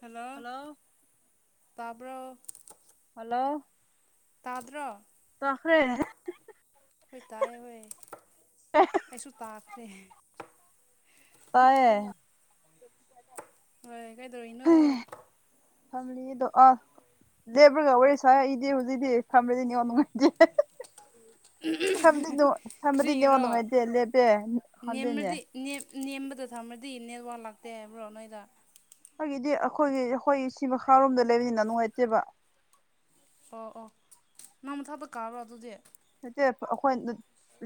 Hello hello ꯇꯥꯕ꯭ꯔꯣ hello ꯇꯥꯗ꯭ꯔꯣ ꯇꯥꯈ꯭ꯔꯦ ꯍꯣꯏ ꯇꯥꯌꯦ ꯍꯣꯏ [unintelligible] ꯑꯩꯁꯨ ꯇꯥꯈ꯭ꯔꯦ ꯇꯥꯏꯌꯦ ꯍꯣꯏ ꯀꯩꯗꯧꯔꯤꯅꯣ [unintelligible] ꯂꯦꯞꯔꯒ ꯋꯥꯔꯤ ꯁꯥꯏ ꯑꯩꯗꯤ ꯍꯨꯖꯤꯛꯇꯤ ꯐꯝꯔꯗꯤ ꯅꯦꯠꯋꯥꯔꯛ ꯅꯨꯉꯥꯏꯇꯦ ꯐꯝꯗꯤꯅꯣ ꯐꯞꯃꯗꯤ ꯅꯦꯋꯥꯛ ꯀ꯭ꯔꯤꯒꯤꯔꯣ ꯅꯨꯡꯉꯥꯏꯇꯦ ꯂꯦꯄꯦ ꯐꯝꯗꯦꯅꯦ ꯅꯦꯝꯃꯗꯤ ꯅꯦꯝ ꯅꯦꯝꯕꯗ ꯊꯝꯔꯗꯤ ꯅꯦꯠꯋꯥ ꯂꯥꯛꯇꯦ ꯍꯥꯏꯕ꯭ꯔꯣ ꯅꯣꯏꯗ ꯑꯩꯒꯤꯗꯤ ꯑꯈꯣꯏꯒꯤ ꯑꯈꯣꯏ ꯁꯤ ꯃꯈꯥꯔꯣꯝꯗ ꯂꯩꯕꯅꯤꯅ ꯅꯨꯡꯉꯥꯏꯇꯦꯕ ꯑꯣ ꯑꯣ ꯅꯪ ꯃꯊꯛꯇ ꯀꯥꯔꯣ ꯑꯗꯨꯗꯤ ꯅꯠꯇꯦꯄ ꯑꯩꯈꯣꯏꯅ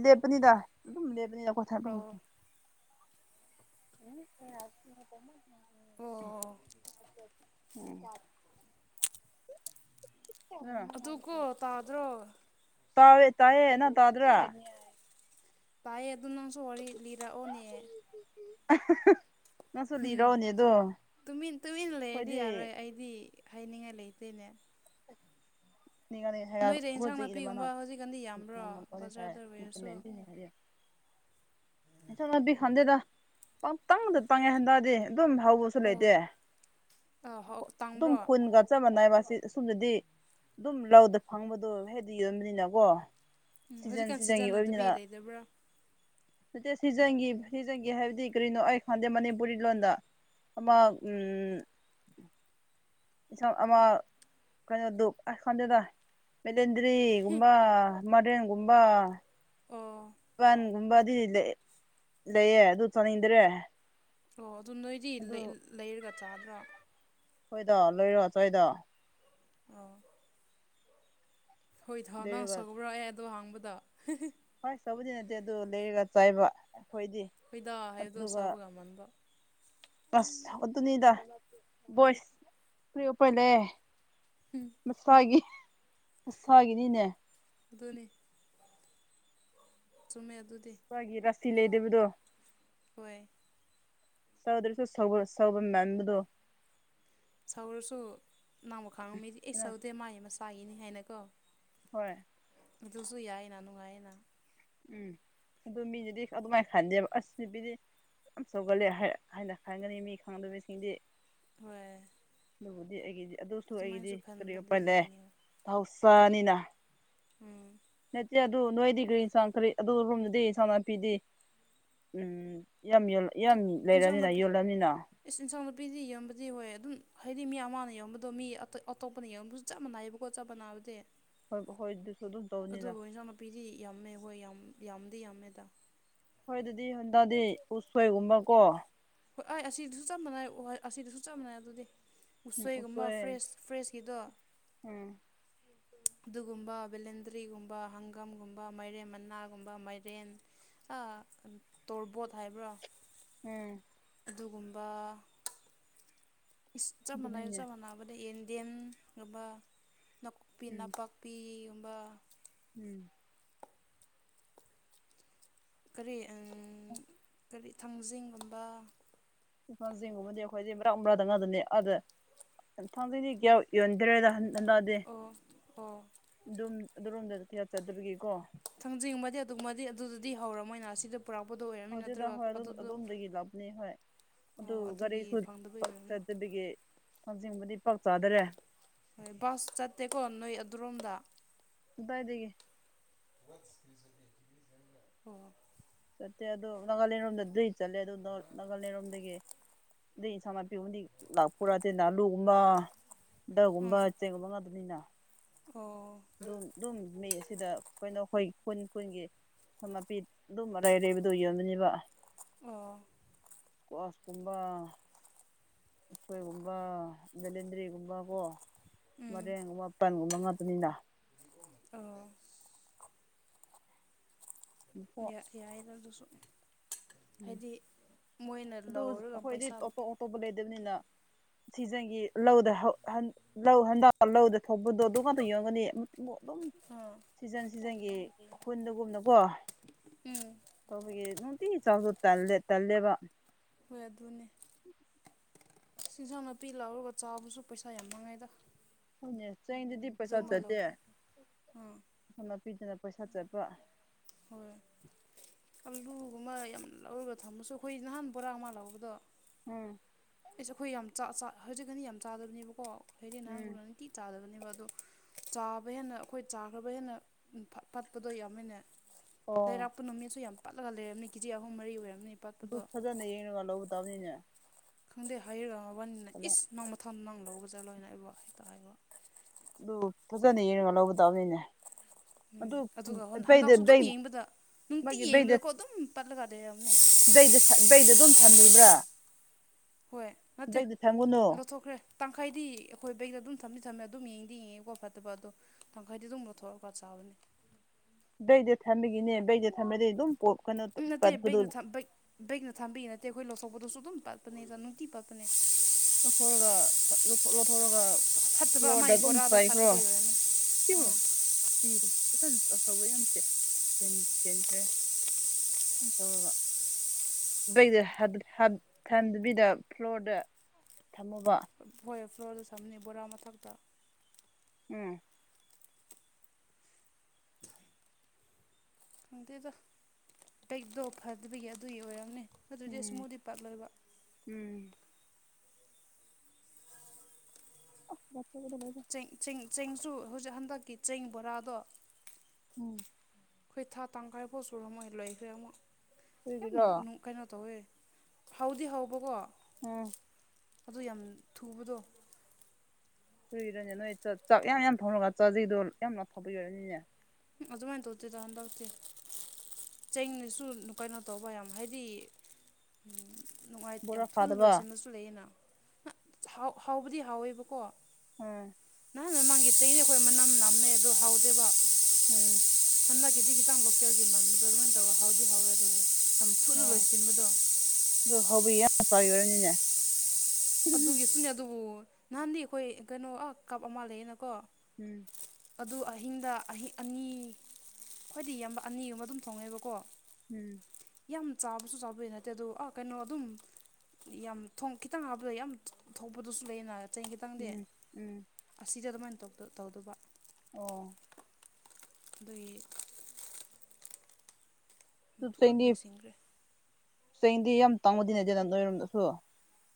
ꯂꯦꯞꯄꯅꯤꯗ ꯑꯗꯨꯝ ꯂꯦꯞꯄꯅꯤꯅ ꯑꯩꯈꯣꯏ ꯊꯥꯏꯞ ꯑꯣ ꯑꯣ [unintelligible] ꯑꯗꯨꯀꯣ ꯇꯥꯗ꯭ꯔꯣ [unintelligible] ꯇꯥꯏꯌꯦ ꯇꯥꯌꯦ ꯅꯪ ꯇꯥꯗ꯭ꯔ ꯇꯥꯏꯌꯦ ꯑꯗꯨ ꯅꯪꯁꯨ ꯋꯥꯔꯤ ꯂꯤꯔꯛꯑꯣꯅꯦ꯫ [unintelligible] ꯅꯪꯁꯨ ꯂꯤꯔꯛꯑꯣꯅꯦ ꯑꯗꯣ ꯇꯨꯃꯤꯟ ꯇꯨꯃꯤꯟꯅ ꯂꯩꯔꯗꯤ ꯑꯩꯈꯣꯏꯗꯤ꯫ ꯌꯥꯔꯣꯏ ꯑꯩꯗꯤ ꯍꯥꯏꯅꯤꯡꯉꯥꯏ ꯂꯩꯇꯦꯅꯦ [unintelligible] [unintelligible] ꯅꯣꯏꯗ ꯏꯟꯁꯥꯡ ꯅꯥꯄꯤꯒꯨꯝꯕ ꯍꯧꯖꯤꯛꯀꯥꯟꯗꯤ ꯌꯥꯝꯕ꯭ꯔꯣ ꯕꯖꯥꯔꯗ ꯑꯣꯏꯔꯁꯨ ꯈꯟꯗꯦꯗ ꯄꯪꯇꯧꯗ ꯇꯧꯉꯦ ꯍꯟꯗꯥꯗꯤ ꯑꯗꯨꯝ ꯍꯧꯕꯁꯨ ꯁꯨ ꯑꯣ ꯂꯩꯇꯦ ꯑꯗꯨꯝ ꯇꯥꯡꯕ꯭ꯔꯣ ꯈꯨꯟꯒ ꯆꯞ ꯃꯥꯟꯅꯩꯕ ꯁꯤ ꯑꯁꯣꯝꯗꯗꯤ ꯑꯗꯨꯝ ꯂꯧꯗ ꯐꯪꯕꯗꯣ ꯍꯦꯗꯤ ꯌꯣꯟꯕꯅꯤꯅꯀꯣ ꯎꯝ ꯁꯤꯖꯟ ꯍꯧꯖꯤꯛꯀꯥꯟ ꯁꯤꯖꯟꯒꯤ ꯑꯣꯏꯕꯅꯤꯅ ꯁꯤꯖꯟꯅꯗꯕꯤ ꯂꯩꯗꯕ꯭ꯔꯥ ꯅꯠꯇꯦ ꯁꯤꯖꯟꯒꯤ ꯁꯤꯖꯟꯒꯤ ꯍꯥꯏꯕꯗꯤ ꯀꯔꯤꯅꯣ ꯑꯩ ꯈꯪꯗꯦ ꯃꯅꯤꯄꯨꯔꯤ ꯂꯣꯟꯗ ꯑꯃ ꯎꯝ ꯏꯟꯁꯥꯡ ꯑꯃ ꯀꯩꯅꯣ ꯗꯨꯛ ꯑ ꯈꯥꯟꯗꯦꯗ ꯃꯦꯂꯦꯟꯗ꯭ꯔꯤꯒꯨꯝꯕ꯫ ꯃꯗꯦꯟꯒꯨꯝꯕ꯫ ꯑꯣꯥ ꯄꯥꯟꯒꯨꯝꯕꯗꯤ ꯂꯩꯌꯦ ꯑꯗꯨ ꯆꯥꯅꯤꯡꯗ꯭ꯔꯦ ꯑꯣ ꯑꯗꯨ ꯅꯣꯏꯗꯤ ꯑꯗꯨ ꯂꯩꯔꯒ ꯆꯥꯗ꯭ꯔꯣ ꯍꯣꯏꯗ ꯂꯣꯏꯔꯣ ꯆꯣꯏꯗꯣ ꯑ ꯍꯣꯏ ꯊꯥꯎ ꯅꯍ ꯂꯩꯔꯒ ꯆꯧꯕ꯭ꯔꯥꯑꯦ ꯑꯗꯣ ꯍꯥꯡꯕꯗ ꯍꯣꯏ ꯆꯧꯕꯗꯤ ꯅꯠꯇꯦ ꯑꯗꯨ ꯂꯩꯔꯒ ꯆꯥꯏꯕ ꯑꯩꯈꯣꯏꯗꯤ ꯈꯣꯏꯗꯥ ꯑꯗꯨꯒ ꯍꯥꯏꯕꯗꯣꯁꯥꯕ ꯉꯃꯟꯕ ꯑꯁ ꯑꯗꯨꯅꯤꯗ ꯕꯣꯏꯁ ꯀꯔꯤꯄꯔꯂꯦ ꯎꯝ ꯃꯁꯥꯒꯤ ꯃꯁꯥꯒꯤꯅꯤꯅꯦ ꯑꯗꯨꯣꯅꯤ ꯆꯨꯝꯃꯦ ꯑꯗꯨꯗꯤ ꯃꯥꯣꯏꯒꯤ ꯔꯁꯤ ꯂꯩꯗꯕꯗꯣ ꯍꯣꯏ ꯁꯧꯗꯁꯨ ꯁꯕꯝ ꯃꯦꯟꯕꯗꯣ ꯁꯧꯔꯁꯨ ꯅꯪꯕ ꯈꯥꯡꯉꯝꯃꯤꯗꯤ ꯑꯩ ꯁꯧꯗꯦ ꯃꯥꯒꯤ ꯃꯁꯥꯒꯤꯅꯤ ꯍꯥꯏꯅꯀꯣ ꯍꯣꯏ ꯑꯗꯨꯁꯨ ꯌꯥꯏꯌꯦꯅ ꯅꯨꯡꯉꯥꯏꯌꯦꯅ ꯎꯝ ꯑꯗꯨ ꯃꯤꯅꯗꯤ ꯑꯗꯨꯃꯥꯏꯅ ꯈꯟꯗꯦꯕ ꯑꯁ ꯅꯨꯄꯤꯗꯤ ꯌꯥꯝ ꯁꯧꯒꯠꯂꯦ ꯍꯥꯏꯅ ꯈꯟꯒꯅꯤ ꯃꯤ ꯈꯪꯗꯕꯁꯤꯡꯗꯤ ꯍꯣꯏ ꯑꯗꯨꯕꯨꯗꯤ ꯑꯩꯒꯤꯗꯤ ꯑꯗꯨꯁꯨ ꯑꯩꯒꯤꯗꯤ ꯑꯗꯨꯃꯥꯏꯅꯁꯨ ꯀꯔꯤ ꯈꯟꯕꯗꯤ ꯋꯥꯄꯜ ꯂꯩ ꯂꯩꯒꯅꯤ ꯍꯣꯏ ꯊꯥꯎ ꯆꯥꯅꯤꯅ ꯎꯝ ꯅꯠꯇ ꯑꯗꯨ ꯅꯣꯏꯗꯤ ꯀꯥꯡ ꯀꯔꯤ ꯑꯗꯨ ꯔꯣꯝꯗꯨꯗꯤ ꯏꯥ ꯅꯥꯄꯤꯗꯤ ꯎꯝ ꯌꯥꯝ ꯌꯜꯂ ꯑꯗꯨ ꯌꯥꯝ ꯏꯟꯁꯥꯡ ꯂꯩꯔꯕꯅꯤꯅ ꯅꯥꯄꯤ ꯌꯣꯜꯂꯅꯤꯅ ꯏꯁ ꯏꯟꯁꯥꯡ ꯅꯨꯄꯤꯗꯤ ꯌꯣꯟꯕꯗꯤ ꯍꯣꯏ ꯑꯗꯨꯝ ꯍꯥꯏꯗꯤ ꯃꯤ ꯑꯃꯅ ꯌꯣꯟꯕꯗꯣ ꯃꯤ ꯑꯇꯣꯞꯄꯅ ꯌꯣꯟꯕ ꯆꯞ ꯃꯥꯟꯅꯏꯑꯕꯀꯣ ꯆꯞ ꯃꯥꯟꯅꯥꯅꯕꯗꯤ ꯍꯣꯏ ꯍꯣꯏ ꯑꯗꯨꯁꯨ ꯑꯗꯨꯝ ꯇꯧꯅꯤꯗ ꯄꯤꯗꯤ ꯌꯥꯝꯃꯦ ꯍꯣꯏ ꯌꯥꯝ ꯌꯥꯝꯗꯤ ꯌꯥꯝꯃꯦꯗ ꯍꯣꯏ ꯑꯗꯨꯗꯤ ꯍꯟꯗꯗꯦ ꯎꯁꯣꯏꯒꯨꯝꯕ ꯀꯣ ꯍꯣꯏ ꯑꯩ ꯑꯁꯤꯗꯨꯁꯨ ꯆꯞ ꯃꯥꯟꯅꯩ ꯑꯁꯤꯗꯨꯁꯨ ꯆꯞ ꯃꯥꯟꯅꯩ ꯑꯗꯨꯗꯤ ꯎꯝ ꯎꯁꯣꯏꯒꯨꯝꯕ ꯎꯁꯣꯏ ꯐ꯭ꯔꯦꯁ ꯐ꯭ꯔꯦꯁꯀꯤꯗꯣ ꯎꯝ ꯑꯗꯨꯒꯨꯝꯕ ꯕꯦꯂꯦꯟꯗ꯭ꯔꯤꯒꯨꯝꯕ ꯍꯪꯒꯝꯒꯨꯝꯕ ꯃꯥꯏꯔꯦꯟ ꯃꯅꯥꯒꯨꯝꯕ ꯃꯥꯏꯔꯦꯟ ꯑ ꯇꯣꯔꯕꯣꯠ ꯍꯥꯏꯕ꯭ꯔꯥ ꯎꯝ ꯑꯗꯨꯒꯨꯝꯕ ꯆꯞ ꯃꯥꯟꯅꯩ ꯑꯗꯨꯅꯤꯅꯦ ꯆꯞ ꯃꯥꯟꯅꯕꯗ ꯌꯦꯟꯗꯦꯝ ꯑꯗꯨꯒ ꯅꯀꯨꯄꯤ ꯎꯝ ꯅꯥꯄꯥꯛ ꯄꯤꯒꯨꯝꯕ ꯎꯝ ꯀꯔꯤ ꯎꯝ ꯀꯔꯤ ꯊꯥꯡꯖꯤꯡꯒꯨꯝꯕ ꯊꯥꯡꯖꯤꯡꯒꯨꯝꯕꯗꯤ ꯑꯩꯈꯣꯏꯗꯤ ꯭ꯔꯥ ꯕ꯭ꯔꯥꯗꯪꯅꯗꯅꯤ ꯑꯗ ꯊꯥꯡꯖꯤꯡꯗꯤ ꯌꯥ ꯌꯣꯟꯗ꯭ꯔꯦꯗ ꯅꯟꯗꯥꯗꯦ ꯑꯣ ꯑꯣ ꯑꯗꯨꯝ ꯑꯗꯨꯔꯣꯝꯗ ꯀꯌꯥ ꯆꯥꯗꯕꯤꯒꯦꯀꯣ ꯊꯪꯖꯅꯤꯡꯕꯗꯤ ꯑꯗꯨꯃꯗꯤ ꯑꯗꯨꯗꯗꯤ ꯍꯧꯔꯝꯃꯣꯏꯅ ꯁꯤꯗ ꯑꯗꯨꯗ ꯍꯣꯏ ꯑꯗꯣꯝꯗꯒꯤ ꯂꯥꯛꯕꯅꯤ ꯍꯣꯏ ꯑꯣ ꯑꯗꯨ ꯑꯗꯨꯒꯤ ꯒꯥꯔꯤꯁꯨ ꯐꯪꯗꯕꯩ ꯄꯥꯛ ꯑꯣꯏꯔꯝꯅꯤ ꯆꯠꯗꯕꯒꯤ ꯊꯥꯡꯖꯤꯡꯕꯨꯗꯤ ꯄꯥꯛ ꯆꯥꯗꯔꯦ ꯍꯣꯏ ꯕꯁ ꯆꯠꯇꯦꯀꯣ ꯅꯣꯏ ꯑꯗꯨꯔꯣꯝꯗ ꯀꯗꯥꯢꯗꯒꯤ ꯎꯝ [inaudible] ꯆꯠꯇꯦ ꯑꯗꯨ ꯅꯥꯒꯥꯂꯦꯟꯔꯣꯝꯗ ꯗ꯭ꯔꯤ ꯆꯠꯂꯦ ꯑꯗꯨ ꯅꯥꯒꯥꯂꯦꯟꯔꯣꯝꯗꯒꯤ ꯑꯗꯩ ꯁꯃꯅ ꯄꯤꯕꯨꯗꯤ ꯂꯥꯛꯄꯔꯥꯗꯦ ꯑꯥꯂꯨꯒꯨꯝꯕ [inaudible] ꯗꯨꯒꯨꯝꯕ ꯎꯝ ꯆꯦꯡꯒꯨꯝꯕ ꯉꯥꯛꯇꯅꯤꯅ ꯑꯣ ꯑꯗꯨꯝ ꯑꯗꯨꯝ ꯃꯤ ꯑꯁꯤꯗ ꯀꯩꯅꯣ ꯈꯣꯏ ꯈꯨꯟ ꯈꯨꯟꯒꯤ ꯌꯦꯡꯁꯥꯟ ꯅꯥꯄꯤ ꯑꯗꯨꯝ ꯑꯔꯩ ꯑꯔꯩꯕꯗꯣ ꯌꯣꯟꯕꯅꯦꯕ ꯑꯣ ꯀ꯭ꯂꯣꯁ ꯀꯨꯝꯕ ꯎꯁꯣꯏꯒꯨꯝꯕ ꯕꯦꯂꯦꯗ꯭ꯔꯤꯒꯨꯝꯕ ꯀꯣ ꯎꯝ ꯃꯩꯔꯦꯡꯒꯨꯝ ꯄꯥꯟꯒꯨꯝꯕ ꯉꯥꯛꯇꯥꯅꯤꯅ ꯑꯣ ꯀꯣ ꯌꯥꯏꯗ ꯑꯗꯨꯁꯨ ꯎꯝ ꯍꯥꯏꯗꯤ ꯃꯣꯏꯅ ꯂꯧꯔꯒ ꯄꯩꯁꯥ ꯇꯣꯄ ꯂꯩꯗꯕꯅꯤꯅ [inaudible] ꯁꯤꯖꯥꯟꯒꯤ ꯂꯧꯗ ꯂꯧ ꯍꯟꯗ ꯂꯧꯗ ꯊꯣꯛꯄꯗꯣ ꯑꯗꯨ ꯉꯥꯛꯇ ꯌꯣꯟꯒꯅꯤ ꯑꯗꯨꯝ ꯑꯥ ꯁꯤꯖꯟ ꯁꯤꯖꯟꯒꯤ ꯈꯨꯨꯟꯗꯒꯨꯝꯅꯀꯣ ꯎꯝ ꯇꯧꯕꯒꯤ ꯅꯨꯡꯇꯤꯒꯤ ꯆꯥꯎꯁꯨ [inaudible] ꯂꯦ ꯇꯜꯂꯦꯕ ꯍꯣꯏ ꯑꯗꯨꯅꯦ ꯏꯤꯟꯖꯥꯡ ꯅꯥꯄꯤ ꯂꯥꯎꯔꯒ ꯆꯥꯕꯁꯨ ꯄꯩꯁꯥ ꯌꯥꯝ ꯃꯥꯡꯉꯦꯗ ꯍꯣꯏꯅꯦ ꯆꯦꯡꯗꯗꯤ ꯄꯩꯁꯥ ꯑꯗꯨꯒꯨꯝꯕ ꯂꯧ ꯆꯠꯇꯦ ꯑꯥ ꯌꯦꯡꯁꯥꯟ ꯅꯥꯄꯤꯗꯅ ꯄꯩꯁꯥ ꯆꯠꯄ ꯍꯣꯏ ꯑꯂꯨꯒꯨꯝꯕ ꯌꯥꯝ ꯂꯧꯔꯒ ꯊꯝꯃꯁꯨ ꯑꯩꯈꯣꯏ ꯅꯍꯥꯟ ꯕꯣꯔꯥ ꯑꯃ ꯂꯧꯕꯗꯣ ꯎꯝ ꯑꯩꯁꯨ ꯑꯩꯈꯣꯏ ꯌꯥꯝ ꯍꯧꯖꯤꯛꯀꯅꯤ ꯌꯥꯝ ꯆꯥꯗꯕꯅꯦꯕꯀꯣ ꯍꯗꯤ [inaudible] ꯎꯝ ꯅꯍꯥꯟꯒꯣꯟꯅ ꯅꯨꯡꯇꯤ ꯆꯥꯗꯕꯅꯦꯕ ꯑꯗꯣ ꯆꯥꯕ ꯍꯦꯟꯅ ꯑꯩꯈꯣꯏ ꯆꯥꯈ꯭ꯔꯕ ꯍꯦꯟꯅ ꯕꯥꯠꯄꯗꯣ ꯌꯥꯝꯃꯤꯅꯦ ꯑꯣ ꯂꯩꯔꯥꯛꯄ ꯅꯨꯃꯤꯠꯁꯨ ꯌꯥꯝ ꯄꯠꯂꯒ ꯂꯩꯔꯝꯅꯤ ꯀꯦꯖꯤ ꯑꯍꯨꯝ ꯃꯔꯤ ꯑꯣꯏꯔꯝꯅꯤ ꯑꯗꯨ ꯄꯠꯄꯗꯣ ꯐꯖꯅ ꯌꯦꯡꯉꯒ ꯂꯧꯒꯗꯧꯅꯤꯅꯦ ꯈꯪꯗꯦ ꯍꯥꯏꯔꯒ ꯃꯕꯥꯟꯅꯤꯅ ꯏꯁ ꯅꯪ ꯃꯊꯪ ꯅꯪ ꯂꯧꯕ ꯆꯠꯂꯣꯅ ꯑꯩꯕꯨ ꯍꯦꯛꯇ ꯍꯥꯏꯕ ꯑꯗꯨ ꯐꯖꯅ ꯌꯦꯡꯔꯒ ꯂꯧꯒꯗꯧꯕꯅꯤꯅꯦ ꯎꯝ ꯑꯗꯨ ꯑꯗꯨꯒ ꯍꯟꯗꯛꯁꯨ ꯑꯗꯨꯝ ꯗꯩ ꯌꯦꯡꯕꯗ ꯅꯨꯡꯇꯤ ꯃꯥꯒꯤ ꯗꯁ ꯌꯦꯡꯕꯗꯀꯣ ꯑꯗꯨꯝ ꯄꯠꯂꯒ ꯂꯩꯔꯝꯅꯦ ꯩꯗꯁ [inaudible] [unintelligible] ꯑꯗꯨꯝ ꯊꯝꯂꯤꯕ꯭ꯔꯥ ꯍꯣꯏ ꯅꯠꯇꯦ ꯕꯩꯗ ꯊꯝꯒꯅꯨ ꯂꯧꯊꯣꯛꯈ꯭ꯔꯦ ꯇꯥꯡꯈꯥꯢꯗꯤ ꯑꯩꯈꯣꯏ ꯕꯦꯛꯇ ꯑꯗꯨꯝ ꯊꯝꯗꯤ ꯊꯝꯃꯦ ꯑꯗꯨꯝ ꯌꯦꯡꯗꯤ ꯌꯦꯡꯉꯦꯀꯣ ꯐꯠꯇꯕ ꯑꯗꯣ ꯇꯪꯈꯥꯢꯗꯤ ꯑꯗꯨꯝ ꯂꯧꯊꯣꯛꯔꯒ ꯆꯥꯕꯅꯦ ꯕꯦꯗ ꯊꯝꯕꯒꯤꯅꯦ ꯕꯦꯗ ꯊꯝꯕꯩꯗꯤ ꯑꯗꯨꯝ ꯄꯣ ꯀꯩꯅꯣ ꯄꯠꯄꯗꯣ ꯕꯦꯑꯝꯛꯅ ꯊꯥꯝꯕꯤꯒꯤ ꯅꯠꯇꯦ ꯑꯩꯈꯣꯏ ꯂꯧꯊꯣꯛꯄꯗꯨꯁꯨ ꯑꯗꯨꯝ ꯄꯠꯄꯅꯦ ꯅꯨꯡꯇꯤ ꯄꯠꯄꯅꯦ ꯂꯧꯊꯣꯔꯒ ꯂꯧꯊꯣ ꯂꯧꯊꯣꯔꯒ ꯐꯠꯇꯕ ꯐ꯭ꯂꯣꯔꯗ ꯃꯥꯒꯤ ꯑꯗꯨꯝ ꯕꯣꯔꯥꯗꯣ ꯄꯥꯢꯈ꯭ꯔꯣ ꯐꯠꯇꯕꯩ ꯑꯣꯏꯔꯝꯅꯤ ꯎꯝ ꯄꯤꯔꯣꯕ ꯌꯥꯝ [inaudible] ꯇꯧꯔꯒ ꯩꯗꯊꯗꯕꯤꯗ ꯐ꯭ꯂꯣꯔꯗ [inaudible] ꯊꯝꯃꯨꯕ ꯍꯣꯏ ꯐ꯭ꯂꯣꯔꯗ ꯊꯝꯅꯤ ꯕꯣꯔꯥ ꯃꯊꯛꯇ ꯎꯝ ꯈꯪꯗꯦꯗ ꯕꯦꯛꯇꯣ ꯐꯠꯗꯕꯒꯤ ꯑꯗꯨꯒꯤ ꯑꯣꯏꯔꯝꯅꯦ ꯑꯗꯨꯗꯤ ꯎꯝ ꯑꯁꯨꯝꯗꯤ ꯄꯥꯠꯂꯣꯏꯕ ꯎꯝ [unintelligible] ꯆꯦꯡ ꯆꯦꯡ ꯆꯦꯡꯁꯨ ꯍꯧꯖꯤꯛ ꯍꯟꯗꯛꯀꯤ ꯆꯦꯡ ꯕꯣꯔꯥꯗꯣ ꯎꯝ ꯍꯣꯢ ꯊꯥ ꯇꯪꯈꯥꯏ ꯐꯧ ꯆꯨꯔꯝꯃꯣꯢ ꯂꯣꯏꯈ꯭ꯔꯦ ꯑꯃꯛ ꯌꯥꯝ ꯀꯔꯤꯒꯤꯔꯣ ꯅꯨ ꯀꯩꯅꯣ ꯇꯧꯋꯦ ꯍꯥꯎꯗꯤ ꯍꯥꯎꯕꯀꯣ ꯎꯝ ꯑꯗꯨ ꯌꯥꯝ ꯊꯨꯕꯗꯣ ꯀꯨꯏꯔꯅꯦ ꯅꯣꯏ ꯆꯥ ꯆꯥꯛ ꯌꯥꯝ ꯌꯥꯝ ꯊꯣꯡꯔꯒ ꯆꯥꯖꯩꯗꯣ ꯌꯥꯝꯅ ꯐꯥꯕꯩ ꯑꯣꯏꯅꯤꯅꯦ ꯑꯗꯨꯃꯥꯏꯅ ꯇꯧꯗꯦꯗ ꯍꯟꯗꯥꯛꯇꯦ ꯆꯦꯡꯅꯁꯨ ꯅꯨꯡ ꯀꯥꯏꯅꯣ ꯇꯧꯕ ꯌꯥꯝ ꯍꯥꯏꯗꯤ ꯅꯨꯡꯉꯥꯏ ꯌꯥꯝ ꯕꯣꯔꯥ ꯊꯨꯅ ꯐꯥꯗꯕ ꯂꯣꯏꯁꯤꯟꯕꯁꯨ ꯂꯩꯌꯦꯅ ꯍ ꯍꯥꯎ ꯍꯥꯎꯕꯗꯤ ꯍꯥꯎꯋꯦꯕꯀꯣ ꯎꯝ ꯅꯪ ꯅ ꯃꯥꯃꯒꯤ ꯆꯍꯤꯗꯤ ꯑꯩꯈꯣꯏ ꯃꯅꯝ ꯅꯝꯃꯦ ꯑꯗꯣ ꯍꯥꯎꯗꯦꯕ ꯎꯝ ꯍꯟꯗꯛꯀꯤꯗꯤ ꯈꯤꯇꯪ ꯂꯣꯀꯦꯜꯒꯤ ꯃꯟꯕꯗꯣ ꯑꯗꯨꯃꯥꯏꯅ ꯇꯧꯔꯒ ꯍꯥꯎꯗꯤ ꯍꯥꯎꯋꯦ ꯑꯗꯨꯕꯨ ꯌꯥꯝ ꯊꯨꯅ ꯂꯣꯏꯁꯤꯟꯕꯗꯣ ꯑꯗꯣ ꯍꯥꯎꯕꯩ ꯌꯥꯝ ꯐꯔꯤ ꯑꯣꯏꯔꯝꯅꯤꯅꯦ ꯑꯗꯨꯒꯤꯁꯨꯅꯦ ꯑꯗꯨꯕꯨ ꯅꯍꯥꯟꯗꯤ ꯑꯩꯈꯣꯏ ꯀꯩꯅꯣ ꯑꯥ ꯀꯞ ꯑꯃ ꯂꯩꯌꯦꯅꯀꯣ ꯎꯝ ꯑꯗꯨ ꯑꯍꯤꯡꯗ ꯑꯍꯤ ꯑꯅꯤ ꯈ꯭ꯋꯥꯏꯗꯤ ꯌꯥꯝꯕ ꯑꯅꯤꯒꯨꯝꯕ ꯑꯗꯨꯝ ꯊꯣꯡꯉꯩꯕꯀꯣ ꯎꯝ ꯌꯥꯝ ꯆꯥꯕꯁꯨ ꯆꯥꯕꯒꯤ ꯅꯠꯇꯦ ꯑꯗꯣ ꯑ ꯀꯩꯅꯣ ꯑꯗꯨꯝ ꯌꯥꯝ ꯊꯣꯡ ꯈꯤꯇꯪ ꯍꯥ ꯄꯒ ꯌꯥꯝ ꯊꯣꯛꯄꯗꯨꯁꯨ ꯂꯩꯌꯦꯅ ꯆꯍꯤ ꯈꯤꯇꯪꯗꯤ ꯎꯝ ꯎꯝ ꯑꯁꯤꯗꯤ ꯑꯗꯨꯃꯥꯏꯅ ꯇꯧꯗ ꯇꯧꯗꯕ ꯑꯣ ꯑꯗꯨꯒꯤ ꯊꯨꯅ ꯁꯗꯤ ꯂꯣꯏꯁꯤꯟꯈ꯭ꯔꯦ ꯁꯦꯡꯗꯤ ꯌꯥꯝ ꯇꯧꯅꯗꯦꯅꯦꯗꯦꯅꯦꯗꯅ ꯅꯣꯏꯔꯣꯝꯗꯁꯨ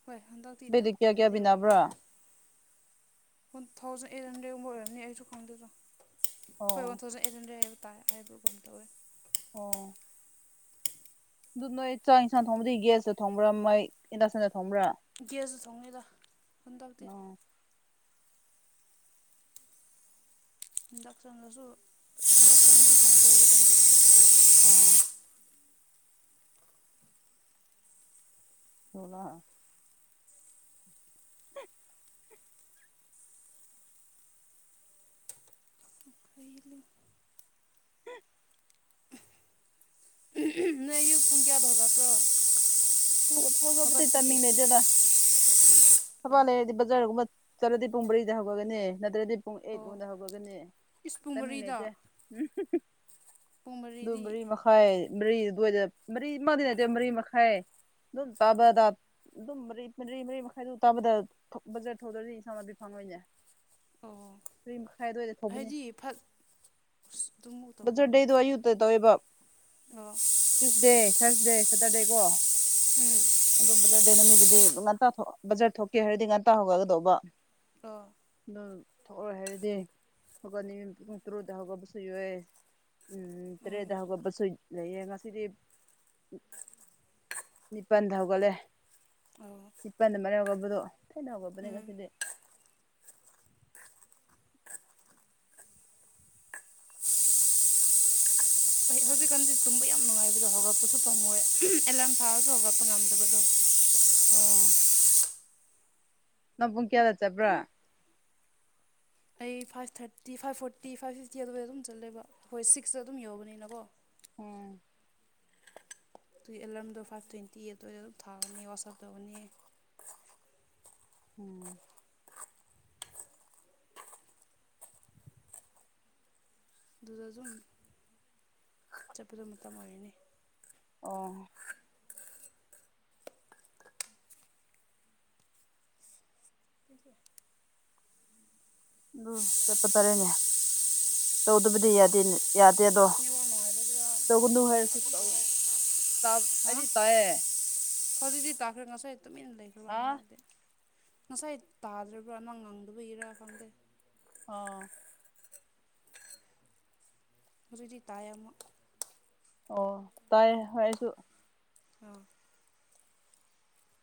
ꯍꯣꯏ ꯍꯟꯗꯛꯇꯤ ꯇ ꯕꯦꯒꯗ ꯀꯌꯥ ꯀꯌꯥ ꯇꯪꯕꯨꯗꯤ ꯄꯤꯅꯕ꯭ꯔꯥ ꯑꯣꯏꯔꯝꯃꯣꯏ ꯋꯥꯟ ꯊꯥꯎꯖꯟ ꯑꯩꯠ ꯍꯟꯗ꯭ꯔꯦꯗꯒꯨꯝꯕ ꯑꯣꯏꯔꯝꯅꯤ ꯑꯩꯁꯨ ꯈꯪꯗꯦꯗꯣ ꯍꯣꯏ ꯋꯥꯟ ꯑꯣ ꯊꯥꯎꯖꯟ ꯑꯦꯠ ꯍꯟꯗ꯭ꯔꯦꯠ ꯗꯨꯝ ꯇꯥꯏ ꯍꯥꯏꯕꯒꯨꯝ ꯇꯧꯋꯦ ꯑꯣ ꯑꯗꯨ ꯅꯣꯏ ꯆꯥꯛ ꯌꯦꯟꯁꯥꯡ ꯊꯣꯡꯕꯗꯤ ꯒ꯭ꯌꯁꯇ ꯊꯣꯡꯕ꯭ꯔꯥ ꯃꯣꯏ ꯏꯟꯗꯛꯁꯟꯗ ꯊꯣꯡꯕ꯭ꯔꯥ ꯒ꯭ꯌꯁꯇ ꯊꯣꯡꯉꯦꯗ ꯍꯟꯗꯛꯇꯤ ꯑꯣ ꯗꯛꯇꯔꯅꯖꯨ ꯑꯣ ꯁꯣꯂꯥ [inaudible] [unintelligible] ꯅꯣꯢ ꯑꯌꯨꯛ ꯄꯨꯡ ꯀꯌꯥꯗ ꯍꯧꯒꯠꯄ꯭ꯔꯣ ꯍꯧꯒꯠꯄꯗꯤ ꯍꯣ [unintelligible] ꯊꯕꯥ ꯑꯣ ꯂꯩꯔꯗꯤ ꯕꯖꯥꯔꯒꯨꯝꯕ ꯆꯠꯂꯗꯤ ꯄꯨꯡ ꯃꯔꯤꯗ ꯍꯧꯒꯒꯅꯤ ꯅꯠꯗ꯭ꯔꯗꯤ ꯄꯨꯡ ꯑꯩꯠ ꯑꯣ ꯒꯨꯝꯕꯗ ꯍꯧꯒꯗꯒꯅꯤ ꯏꯁ ꯄꯨꯡ ꯇꯥꯢꯃꯤꯡ ꯃꯔꯤꯗ ꯂꯩꯇꯦ ꯄꯨꯡ ꯃꯔꯤ ꯑꯗꯨ ꯃꯔꯤ ꯃꯈꯥꯏ ꯃꯔꯤ ꯑꯗꯨꯋꯥꯏꯗ ꯃꯔꯤ ꯃꯗ ꯅꯗꯦ ꯃꯔꯤ ꯃꯈꯥꯏ ꯑꯗꯨ ꯇꯥꯕꯗ ꯑꯗꯨꯝ ꯃꯔꯤ ꯃꯔꯤ ꯃꯔꯤ ꯃꯈꯥꯏꯗꯣ ꯇꯥꯕꯗ ꯊꯣ ꯕꯖꯥꯔ ꯊꯣꯂꯛꯑꯗꯤ ꯏꯁꯥ ꯐꯪꯉꯣꯏꯅꯦ ꯑꯣ ꯃꯔꯤ ꯃꯈꯥꯏ ꯑꯗꯨꯋꯥꯏꯗ ꯊꯧꯕꯅꯤ [unintelligible] ꯇꯨꯃꯨ ꯕꯗꯔ ꯗꯦꯗꯣ ꯑꯌꯨꯛꯇ ꯇꯧꯋꯦꯕ ꯑꯣ ꯇ꯭ꯌꯨꯁꯗꯦ ꯊꯔꯁꯗꯦ ꯁꯦꯇꯔꯗꯦ ꯀꯣ ꯎꯝ ꯑꯗꯣ ꯕꯖꯗ ꯅꯨꯃꯤꯠꯗꯨꯗꯤ ꯉꯟꯇꯥ ꯊꯣꯛ ꯕꯖꯥꯔ ꯊꯣꯛꯀꯦ ꯍꯥꯏꯔꯗꯤ ꯉꯟꯇꯥ ꯍꯧꯒꯒꯗꯧꯕ ꯑꯣ ꯑꯗꯣ ꯊꯣꯛꯑꯣꯢ ꯍꯥꯏꯔꯗꯤ ꯍꯧꯒꯠꯅꯤ ꯄꯨꯡ ꯇ꯭ꯔꯨꯛꯇ ꯍꯧꯒꯠꯄꯁꯨ ꯌꯧꯑꯦ ꯎꯝ ꯇ꯭ꯔꯦꯠꯗ ꯍꯧꯒꯠꯄꯁꯨ ꯂꯩꯌꯦ ꯉꯁꯤꯗꯤ ꯅꯤꯄꯥꯟꯗ ꯍꯧꯒꯠꯂꯦ ꯑꯣ ꯅꯤꯄꯜꯗ ꯃꯌꯥ ꯍꯧꯒꯕꯗꯨ ꯊꯩꯡꯅ ꯍꯧꯒꯗꯕꯅꯦ ꯎꯝ ꯉꯁꯤꯗꯤ ꯍꯧꯖꯤꯛꯀꯥꯟꯗꯤ ꯇꯨꯝꯕ ꯌꯥꯝ ꯅꯨꯡꯉꯥꯏꯕꯗꯣ ꯍꯧꯒꯠꯄꯁꯨ ꯐꯝꯃꯣꯏ ꯑꯦꯂꯥꯔꯝ ꯊꯥꯔꯁꯨ ꯍꯧꯒꯠꯄ ꯉꯝꯗꯕꯗꯣ ꯑꯣ ꯅꯪ ꯄꯨꯡ ꯀꯌꯥꯗ ꯆꯠꯄ꯭ꯔꯥ ꯑꯩ five thirty five forty five fifty ꯑꯗꯨꯗ ꯑꯗꯨꯝ ꯆꯠꯂꯦꯕ ꯑꯩꯈꯣꯏ ꯁꯤꯛꯁꯇ ꯑꯗꯨꯝ ꯌꯧꯕꯅꯤꯅꯀꯣ ꯎꯝ ꯑꯗꯨꯒꯤ ꯑꯦꯂꯥꯔꯝꯗꯣ ꯐꯥꯢꯚ ꯇ꯭ꯋꯦꯟꯇꯤ ꯑꯗꯋꯥꯢꯗ ꯑꯗꯨꯝ ꯊꯥꯒꯅꯤ ꯋꯥꯁꯑꯞ ꯇꯧꯒꯅꯤ ꯎꯝ ꯑꯗꯨꯗ ꯑꯗꯨꯝ ꯆꯠꯄꯗꯣ ꯃꯇꯝ ꯑꯣꯏꯔꯅꯤ ꯑꯣ [inaudible] ꯑꯗꯨ ꯆꯠꯄ ꯇꯥꯔꯦꯅꯦ ꯇꯧꯗꯕꯗꯤ ꯌꯥꯗꯦꯅꯦ ꯌꯥꯗꯦꯗꯣ ꯑꯁ ꯇꯧꯒꯅꯨ ꯍꯥꯢꯔꯁꯨ ꯇꯧ ꯅꯦꯠꯋꯥꯛ ꯅꯨꯡꯉꯥꯏꯇꯕꯒꯤꯔ ꯇꯥ ꯍꯥ ꯑꯩꯗꯤ ꯇꯥꯢꯌꯦ ꯍꯧꯖꯤꯛꯇꯤ ꯇꯥꯈ꯭ꯔꯦ ꯉꯁꯥꯏ ꯇꯨꯃꯤꯟ ꯂꯩꯈ꯭ꯔꯕ ꯍꯥ ꯑꯃꯔꯛꯇꯤ ꯉꯁꯥꯏ ꯇꯥꯗ꯭ꯔꯕ꯭ꯔꯥ ꯅꯪ ꯉꯥꯡꯗꯕꯒꯤꯔꯥ ꯈꯪꯗꯦ ꯑꯣ ꯍꯧꯖꯤꯛꯗꯤ ꯇꯥꯢꯌꯦ ꯑꯃꯨꯛ ꯑꯣ ꯇꯥꯏꯌꯦ ꯍꯣ ꯑꯩꯁꯨ ꯑꯥ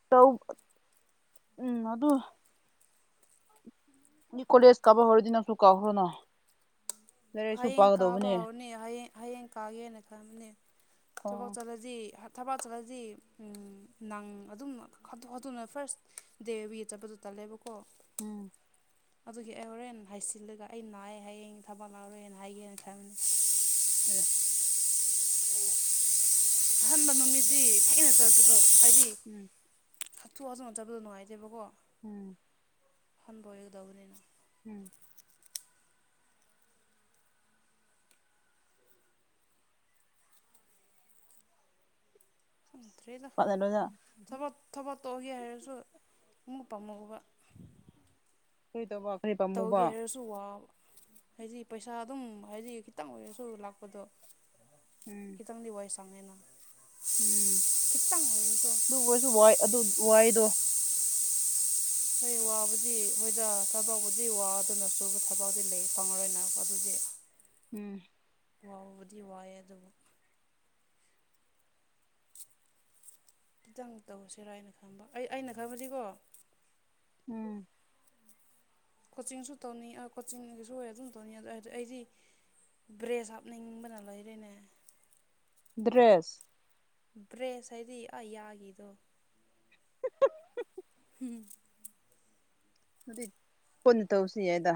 ꯇꯧ ꯎꯪ ꯑꯗꯨ ꯀꯣꯂꯦꯁ ꯀꯥꯕ ꯍꯩꯔꯗꯤ ꯅꯪꯁꯨ ꯀꯥꯈ꯭ꯔꯣꯅꯥ ꯍꯌꯦꯡ ꯀꯥꯕ ꯍꯧꯔꯅꯤ ꯍꯌꯦꯡ ꯍꯌꯦꯡ ꯀꯥꯒꯦꯅ ꯈꯟꯕꯅꯤ ꯑꯣ ꯊꯕꯛ ꯆꯠꯂ ꯗꯤ ꯊꯕꯥꯛ ꯆꯠꯂꯗꯤ ꯅꯪ ꯑꯗꯨꯝ ꯍꯥꯊꯨ ꯍꯥꯊꯨꯅ ꯐꯥ꯭ꯔꯁ ꯗꯦ ꯑꯣꯢꯕꯒꯤ ꯆꯠꯄꯗꯨ ꯇꯜꯂꯦꯕꯀꯣ ꯎꯝ ꯑꯗꯨꯒꯤ ꯑꯩ ꯍꯣꯔꯦꯟ ꯍꯥꯏꯆꯤꯜꯂꯒ ꯑꯩ ꯅꯥꯏꯌꯦ ꯍꯌꯦꯡꯒꯜ ꯊꯕꯛ ꯌꯥꯎꯔꯣꯢꯅ ꯍꯥꯏꯒꯦꯅ ꯈꯟꯕꯅꯦ ꯑꯦ ꯑꯍꯥꯟꯕ ꯅꯨꯃꯤꯗꯗꯤ ꯊꯦꯡꯅ ꯆꯠꯄꯗꯣ ꯍꯥꯏꯗꯤ ꯎꯝ ꯍꯥꯊꯨ ꯍꯥꯊꯨꯅ ꯆꯠꯕꯗꯣ ꯅꯨꯡꯉꯥꯏꯇꯦꯕꯀꯣ ꯎꯝ ꯐꯟꯕ ꯑꯣꯏꯒꯗꯕꯅꯤꯅ ꯎꯝ ꯈꯗ꯭ꯔꯦ ꯂ [unintelligible] ꯊꯕꯛ ꯊꯕꯛ ꯇꯣꯛꯑꯒꯦ ꯍꯥꯏꯔꯁꯨ ꯑꯃꯨꯛ ꯄꯥꯝꯃꯨꯕ ꯀ꯭ꯔꯤ ꯇꯧꯕ ꯀ꯭ꯔꯤ ꯄꯥꯝꯃꯨꯕ ꯁꯨ ꯋꯥꯕ ꯍꯥꯏꯗꯤ ꯄꯩꯁꯥ ꯑꯗꯨꯝ ꯍꯥꯏꯗꯤ ꯈꯤꯇꯪ ꯑꯣꯏꯔꯁꯨ ꯂꯥꯛꯄꯗꯣ ꯎꯝ ꯀꯈꯤꯪꯗꯤꯚꯁ ꯁꯥꯡꯦꯅ ꯎꯝ ꯑꯗꯨ ꯑꯣꯏꯔꯁꯨ ꯋꯥꯏ ꯑꯗꯨ ꯋꯥꯏꯗꯣ ꯍꯣꯏ ꯋꯥꯕꯨꯗꯤ ꯍꯣꯏꯗ ꯊꯕꯛꯕꯨꯗꯤ ꯋꯥ ꯑꯗꯨꯅꯁꯨꯨꯕ ꯊꯕꯥꯎꯗꯤ ꯂꯩ ꯐꯪꯉꯔꯣꯏꯅ ꯑꯗꯨꯗꯤ ꯎꯝ ꯋꯥꯎꯕꯗꯤ ꯋꯥꯏꯑꯦ ꯑꯗꯨꯕꯨ ꯈꯤꯇꯪ ꯇꯧꯁꯤꯔꯥ ꯑꯩꯅ ꯈꯪꯕ ꯑꯩ ꯑꯩꯅ ꯈꯪꯕꯗꯤꯀꯣ ꯎꯝ ꯀꯣꯆꯤꯡꯁꯨ ꯇꯧꯅꯤ ꯀꯣꯆꯤꯡꯒꯤꯁꯨ ꯑꯣꯏ ꯑꯗꯨꯝ ꯇꯧꯅꯤ ꯑꯗꯨ ꯍꯥꯏꯗꯤ ꯑꯩꯗꯤ ꯕ꯭ꯔꯦꯁ ꯍꯥꯞꯅꯤꯡꯕꯅ ꯂꯣꯏꯔꯦꯅꯦ ꯗ꯭ꯔꯦꯁ ꯕ꯭ꯔꯦꯁ ꯍꯥꯏꯗꯤ ꯑ ꯌꯥꯒꯤꯗꯣ [unintelligible] ꯎꯝ ꯑꯗꯨꯗꯤ ꯄꯨꯟꯅ ꯇꯧꯁꯤ ꯌꯥꯏꯗ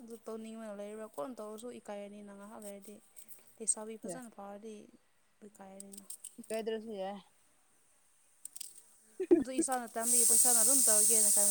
ꯑꯗꯨ ꯇꯧꯅꯤꯡ ꯑꯣꯏꯅ ꯂꯩꯔꯨꯔꯥ ꯀꯣꯟꯅ ꯇꯧꯔꯁꯨ ꯏꯀꯥꯏꯔꯅꯤꯅ ꯉꯥꯏꯍꯥꯛ ꯂꯩꯔꯗꯤ ꯑꯦ ꯁꯕꯤ ꯐꯖꯅ ꯐꯥꯥꯎꯂꯤ ꯨꯀꯥꯔꯅ ꯀꯩꯗ꯭ꯔꯁꯨ ꯌꯥ ꯑꯗꯨ ꯏꯁꯥꯅ ꯇꯥꯟꯕꯤ ꯄꯩꯁꯥꯅ ꯑꯗꯨꯝ ꯇꯧꯒꯦꯅ ꯈ